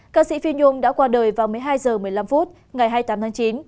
ca sĩ phi nhung đã qua đời vào một mươi hai h một mươi năm phút ngày hai mươi tám tháng chín